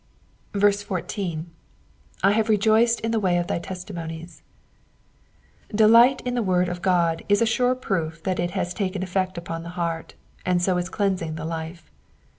14. *'^I have rejoiced in the way of thy teftimoniee,^^ Delight in the word of God is a sure proof that it has taken effect upon the heart, and so is cleansing the life.